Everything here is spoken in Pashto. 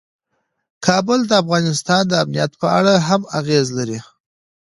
کابل د افغانستان د امنیت په اړه هم اغېز لري.